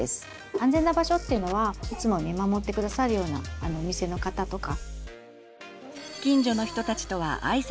安全な場所っていうのはいつも見守って下さるようなお店の方とか。